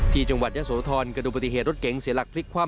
ที่จังหวัดยะโสธรกระดูกปฏิเหตุรถเก๋งเสียหลักพลิกคว่ำ